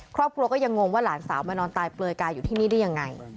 ครอบครัวก็ยังงงว่าหลานสาวมานอนตายเปลือยกายอยู่ที่นี่ได้ยังไง